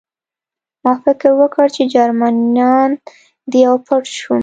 ما فکر وکړ چې جرمنان دي او پټ شوم